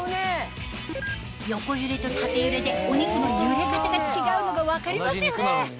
横揺れと縦揺れでお肉の揺れ方が違うのが分かりますよね